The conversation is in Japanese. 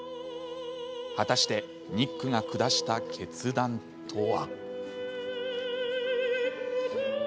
果たしてニックが下した決断とは？